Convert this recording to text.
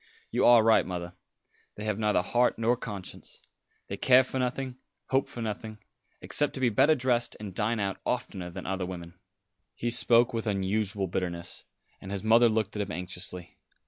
You are right, mother. They have neither heart nor conscience. They care for nothing, hope for nothing, except to be better dressed and dine out oftener than other women." He spoke with unusual bitterness, and his mother looked at him anxiously.